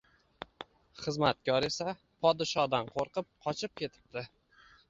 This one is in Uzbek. Xizmatkor esa podshodan qo‘rqib, qochib ketibdi